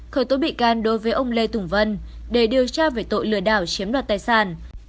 khởi tố bị can đối với ông lê tùng vân để điều tra về tội lừa đảo chiếm đoạt tài sản